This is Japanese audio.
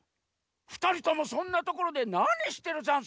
ふたりともそんなところでなにしてるざんすか？